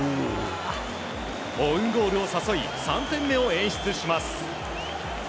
オウンゴールを誘い３点目を演出します。